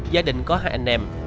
gia đình có hai anh em